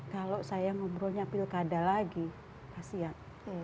kalau saya ngobrolnya pilkada lagi kasihan